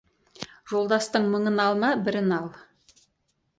Жолдастың мыңын алма, бірін ал.